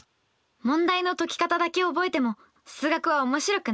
問題の解き方だけ覚えても数学は面白くないですよね。